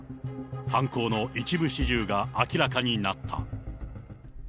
犯行の一部始終が明らかになった。